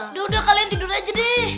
udah udah kalian tidur aja deh